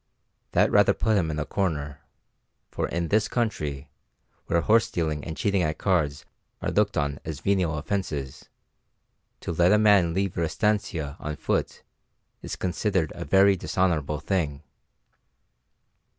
That rather put him in a corner; for in this country, where horse stealing and cheating at cards are looked on as venial offenses, to let a man leave your estancia on foot is considered a very dishonourable thing.